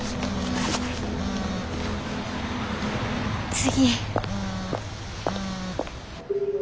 次。